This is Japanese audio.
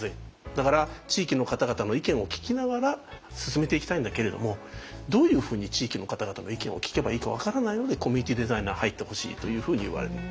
だから地域の方々の意見を聞きながら進めていきたいんだけれどもどういうふうに地域の方々の意見を聞けばいいか分からないのでコミュニティデザイナー入ってほしいというふうに言われる。